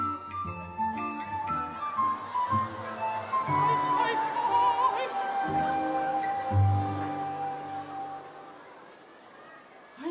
はいはいはい。